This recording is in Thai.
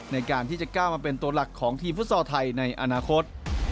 ในการที่จะก้าวมาเป็นตัวหลักของทีมฟุตซอลไทยในอนาคต